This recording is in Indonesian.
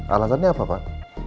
alatannya apa pak